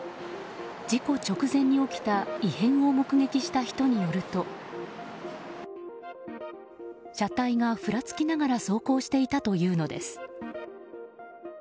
事故直前に起きた異変を目撃した人によると車体がふらつきながら走行していたというのです。